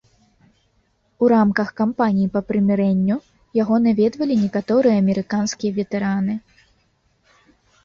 У рамках кампаніі па прымірэнню яго наведвалі некаторыя амерыканскія ветэраны.